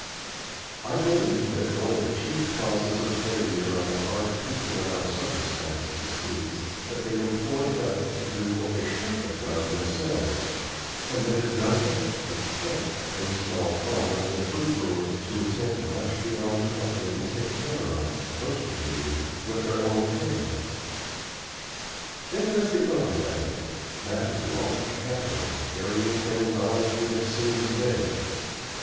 I believe that one of the chief causes of failure on the part of people in our circumstances is, that they employ help to do what they should have done themselves, and that it doesn't and can't pay small farmers and fruit growers to attempt much beyond what they can take care of, most of the year, with their own hands. Then there's the other method that of large capital carrying things on as we have seen to day.